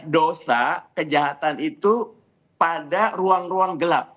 dosa kejahatan itu pada ruang ruang gelap